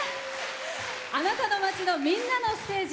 あなたの街の、みんなのステージ。